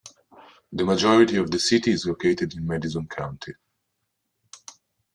The majority of the city is located in Madison County.